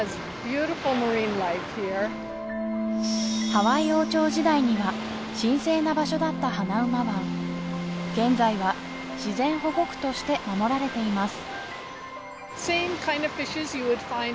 ハワイ王朝時代には神聖な場所だったハナウマ湾現在は自然保護区として守られています